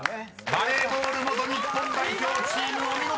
［バレーボール元日本代表チームお見事！